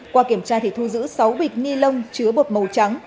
qua kiểm tra thì thu giữ sáu bịch ni lông chứa bột màu trắng